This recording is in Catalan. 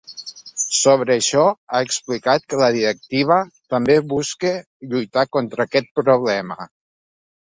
Sobre això, ha explicat que la directiva també busca lluitar contra aquest problema.